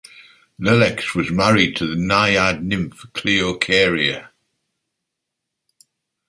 Lelex was married to the Naiad nymph Cleocharia.